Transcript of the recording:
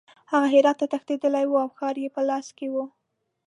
هغه هرات ته تښتېدلی وو او ښار یې په لاس کې وو.